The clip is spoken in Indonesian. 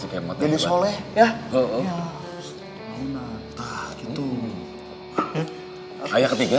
ya ya ya ya ketiga ketiga